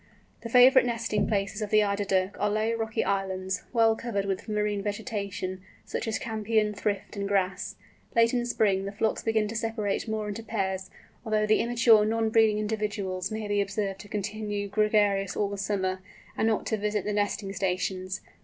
The favourite nesting places of the Eider Duck are low, rocky islands, well covered with marine vegetation, such as campion, thrift, and grass. Late in spring the flocks begin to separate more into pairs, although the immature non breeding individuals may be observed to continue gregarious all the summer, and not to visit the nesting stations.